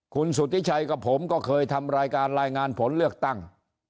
คุณสุธิชัยกับผมก็เคยทำรายการรายงานผลเลือกตั้ง